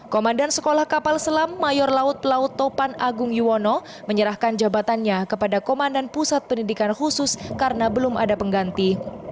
komandan sekolah kapal selam mayor laut pelaut topan agung yuwono menyerahkan jabatannya kepada komandan pusat pendidikan khusus karena belum ada pengganti